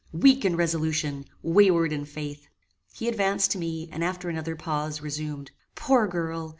weak in resolution! wayward in faith!" He advanced to me, and, after another pause, resumed: "Poor girl!